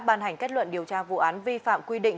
và bàn hành kết luận điều tra vụ án vi phạm quy định